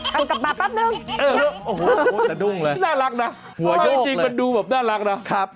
ก็กับมาปั๊บนึงน่ารักนะ